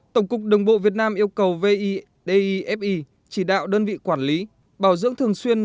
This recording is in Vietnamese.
tổng cục đồng bộ việt nam yêu cầu v i d i f i chỉ đạo đơn vị quản lý bảo dưỡng thường xuyên